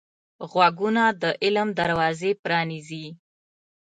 غوږونه د علم دروازې پرانیزي